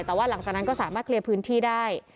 แต่ว่าหลังจากนั้นก็สามารถเคลียร์พื้นที่ได้